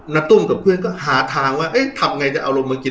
ตุ้มกับเพื่อนก็หาทางว่าเอ๊ะทำไงจะเอาลงมากิน